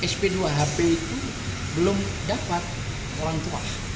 sp dua hp itu belum dapat orang tua